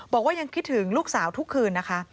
บอกว่ายังคิดถึงลูกสาวทุกคืนนะคะ